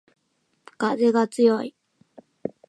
かぜがつよい